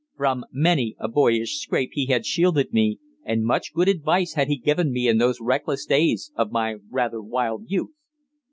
From many a boyish scrape he had shielded me, and much good advice had he given me in those reckless days of my rather wild youth.